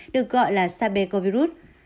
được gọi là sabecovirus